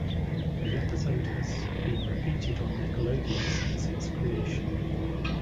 The episode has been repeated on Nickelodeon since its creation.